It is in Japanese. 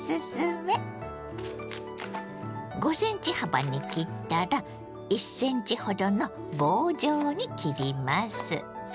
５ｃｍ幅に切ったら１ｃｍほどの棒状に切ります。